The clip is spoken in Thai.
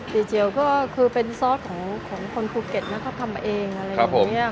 สะเล็งนะครับ